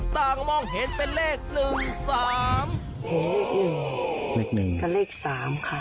ต่างมองเห็นเป็นเลข๑๓